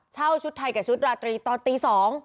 ชุดไทยกับชุดราตรีตอนตี๒